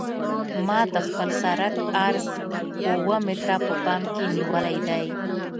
ما د خپل سرک عرض اوه متره په پام کې نیولی دی